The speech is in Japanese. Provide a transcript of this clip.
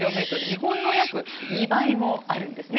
日本の約２倍もあるんです。